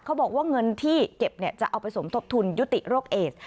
เขาบอกว่าเงินที่เก็บจะเอาไปสมทบทุนยุติโรคเอส